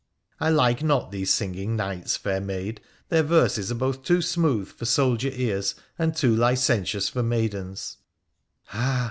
' I like not these singing knights, fair maid : their verses are both too smooth for soldier ears, and too licentious for maidens' '' Ah